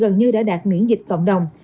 gần như đã đạt miễn dịch cộng đồng